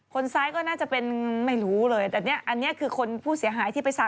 คนซ้ายก็น่าจะเป็นไม่รู้เลยแต่นี่คือเรื่องผู้เสียหายที่ไปสัก